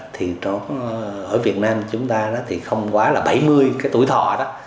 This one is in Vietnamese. thì ở việt nam chúng ta không quá là bảy mươi tuổi thọ